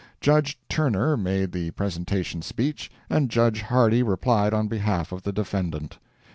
Judge Turner made the presentation speech, and Judge Hardy replied on behalf of the defendant.